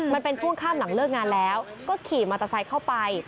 มันเป็นช่วงข้ามหลังเลิกงานแล้วก็ขี่มอเตอร์ไซค์เข้าไป